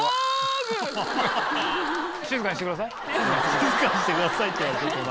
「静かにしてください」って言われた隣に。